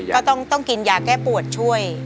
ก็ต้องกินยาแก้ปวดช่วย